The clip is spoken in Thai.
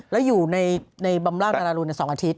แล้วอยู่ในบำราบนรรลุใน๒อาทิตย์